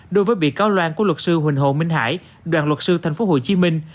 đối với bị cáo loan của luật sư huỳnh hồ minh hải đoàn luật sư thành phố hồ chí minh